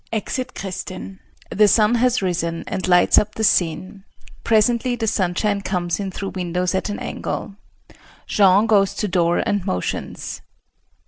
[Exit Kristin. The sun has risen and lights up the scene. Presently the sunshine comes in through windows at an angle. Jean goes to door and motions.